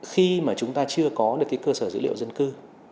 khi mà chúng ta chưa có được cái cơ sở dữ liệu dân cư